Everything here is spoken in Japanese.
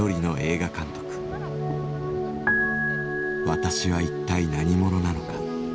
「私は一体何者なのか」。